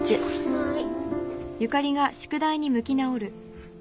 はい。